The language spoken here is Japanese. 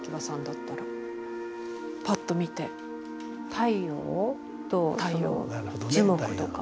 太陽？とその樹木とか。